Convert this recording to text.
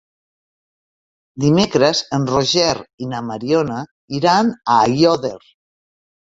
Dimecres en Roger i na Mariona iran a Aiòder.